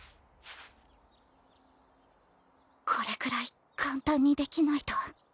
これくらい簡単にできないと。